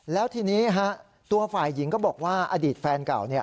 แล้วทีนี้ตัวฝ่ายหญิงก็บอกว่าอดีตแฟนเก่า